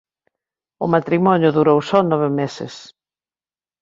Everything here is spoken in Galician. O matrimonio durou só nove meses.